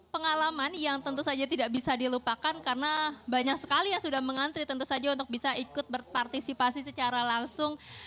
pengalaman yang tentu saja tidak bisa dilupakan karena banyak sekali yang sudah mengantri tentu saja untuk bisa ikut berpartisipasi secara langsung